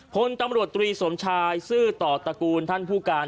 พลตำรวจตรีสมชายซื่อต่อตระกูลท่านผู้การ